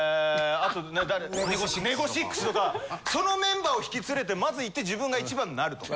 そのメンバーを引き連れてまず行って自分が一番になると。